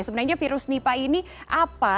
sebenarnya virus nipah ini apa